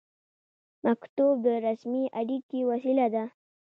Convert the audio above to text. مکتوب د رسمي اړیکې وسیله ده